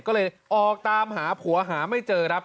ก็เลยออกตามหาผัวหาไม่เจอครับ